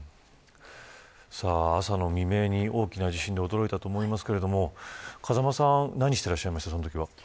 朝の未明に大きな地震で驚いたと思いますが風間さんは何をしていらっしゃいましたかそのときは。